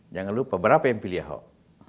jangan lupa berapa yang pilih ahok